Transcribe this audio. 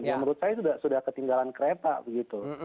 yang menurut saya sudah ketinggalan kereta begitu